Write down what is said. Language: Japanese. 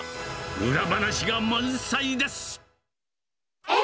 裏話が満載です。